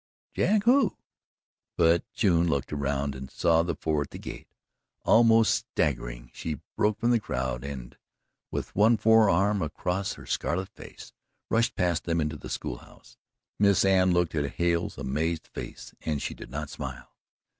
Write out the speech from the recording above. "Jack who?" But June looked around and saw the four at the gate. Almost staggering, she broke from the crowd and, with one forearm across her scarlet face, rushed past them into the school house. Miss Anne looked at Hale's amazed face and she did not smile.